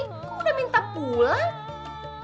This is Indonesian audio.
kok udah minta pulang